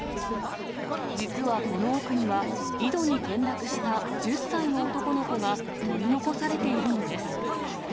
実はこの奥には、井戸に転落した１０歳の男の子が取り残されているのです。